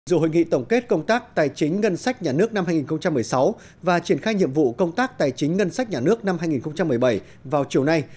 dù hội nghị tổng kết công tác tài chính ngân sách nhà nước năm hai nghìn một mươi sáu và triển khai nhiệm vụ công tác tài chính ngân sách nhà nước năm hai nghìn một mươi bảy vào chiều nay